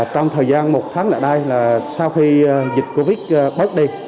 trong thời gian một tháng lại đây sau khi dịch covid bớt đi